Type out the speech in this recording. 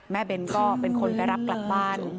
เบ้นก็เป็นคนไปรับกลับบ้าน